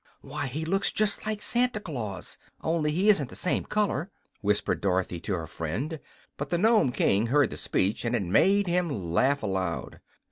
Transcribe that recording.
"Why, he looks just like Santa Claus only he isn't the same color!" whispered Dorothy to her friend; but the Nome King heard the speech, and it made him laugh aloud.